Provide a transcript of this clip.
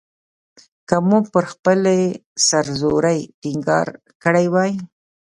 که مو پر خپلې سر زورۍ ټینګار کړی وای.